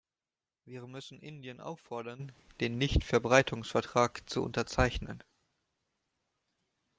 Wir müssen Indien auffordern, den Nichtverbreitungsvertrag zu unterzeichnen.